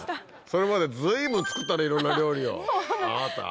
それまで随分作ったねいろんな料理をあなた。